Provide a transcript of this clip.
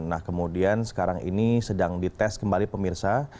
nah kemudian sekarang ini sedang dites kembali pemirsa